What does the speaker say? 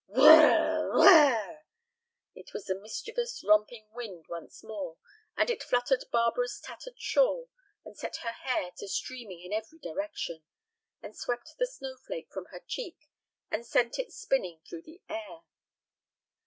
"Whirr r r, whirr r r!" It was the mischievous, romping wind once more; and it fluttered Barbara's tattered shawl, and set her hair to streaming in every direction, and swept the snowflake from her cheek and sent it spinning through the air.